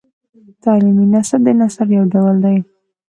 تعلیمي نثر د نثر یو ډول دﺉ.